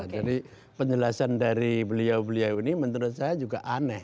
jadi penjelasan dari beliau beliau ini menurut saya juga aneh